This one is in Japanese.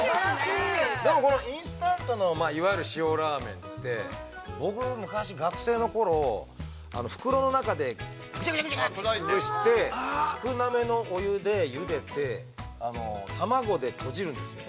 ◆でもインスタントの、いわゆる塩ラーメンって、僕、昔学生のころ、袋の中で、ぐちゃぐちゃって潰して、少なめのお湯でゆでて、卵でとじるんですよ。